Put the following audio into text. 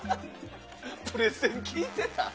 プレゼン聞いてた？